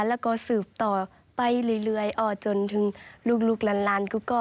แล้วก็สืบต่อไปเรื่อยจนถึงลูกล้าน